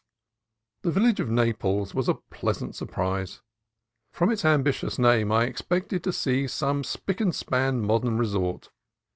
The village of Naples was a pleasant surprise. From its ambitious name I expected to see some spick and span modern resort.